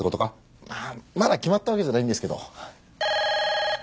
まあまだ決まったわけじゃないんですけど。